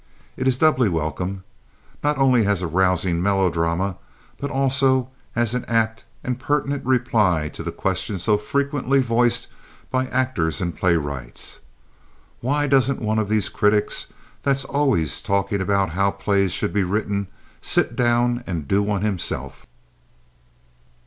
It is doubly welcome, not only as a rousing melodrama but, also, as an apt and pertinent reply to the question so frequently voiced by actors and playwrights: "Why doesn't one of these critics that's always talking about how plays should be written sit down and do one himself?"